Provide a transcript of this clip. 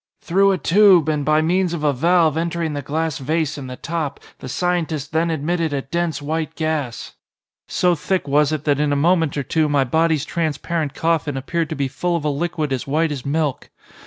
Through a tube, and by means of a valve entering the glass vase in the top, the scientist then admitted a dense white gas. So thick was it that in a moment or two my body's transparent coffin appeared to be full of a liquid as white as milk.